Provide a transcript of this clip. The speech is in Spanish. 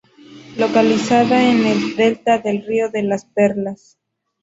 Localizada en el delta del río de las Perlas.